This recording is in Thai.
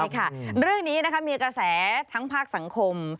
ใช่ค่ะเรื่องนี้มีกระแสทั้งภาคสังคม